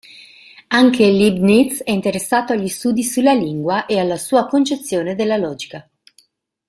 Anche Leibniz è interessato agli studi sulla lingua e alla sua concezione della logica.